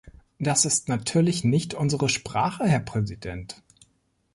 Das ist natürlich nicht unsere Sprache, Herr Präsident.